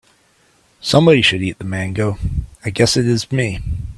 Somebody should eat the mango, I guess it is me.